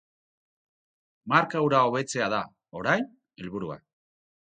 Marka hura hobetzea da, orain, helburua.